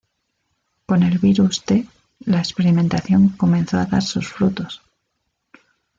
Con el virus-T, la experimentación comenzó a dar sus frutos.